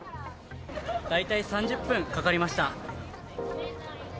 大体３０分かかりました。